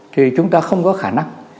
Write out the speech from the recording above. thì chúng ta không có khả năng